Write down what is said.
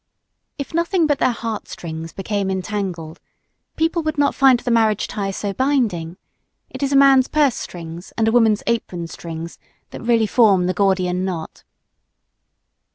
If nothing but their heart strings became entangled, people would not find the marriage tie so binding; it is a man's purse strings and a woman's apron strings that really form the Gordian knot.